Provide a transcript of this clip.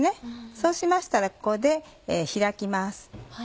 そうしましたらここで開きます。